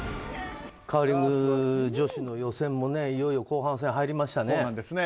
カーリング女子予選もいよいよ後半戦入りましたね。